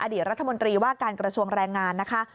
อดีตรัฐมนตรีว่าการกระทรวงแรงงานนะคะ